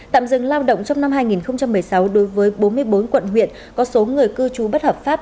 tạm dừng lao động trong năm hai nghìn một mươi sáu đối với bốn mươi bốn quận huyện có số người cư trú bất hợp pháp